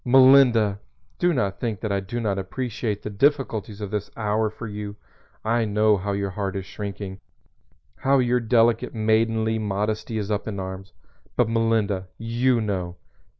Melinda! Do not think that I do not appreciate the difficulties of this hour for you. I know how your heart is shrinking, how your delicate maidenly modesty is up in arms. But Melinda, you know!